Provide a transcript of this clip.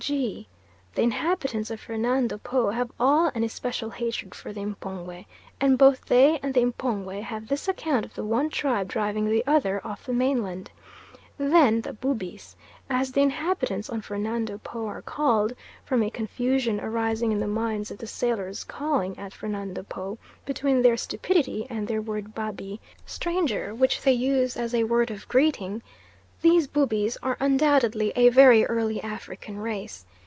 G. The inhabitants of Fernando Po have still an especial hatred for the M'pongwe, and both they and the M'pongwe have this account of the one tribe driving the other off the mainland. Then the Bubis as the inhabitants on Fernando Po are called, from a confusion arising in the minds of the sailors calling at Fernando Po, between their stupidity and their word Babi = stranger, which they use as a word of greeting these Bubis are undoubtedly a very early African race.